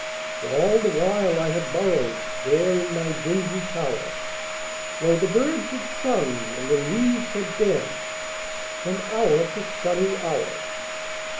For all the while I had burrowedThere in my dingy tower, Lo! the birds had sung and the leaves had dancedFrom hour to sunny hour.